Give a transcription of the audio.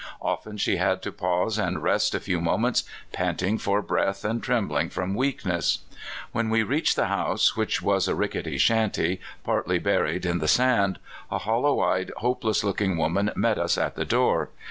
Often she had to pause and rest a few moments, panting for breath, and trembling from weakness. When we reached the house, which was a rickety shanty, partly buried in the sand, a hollow eyed, hopeless looking woman met us at the door.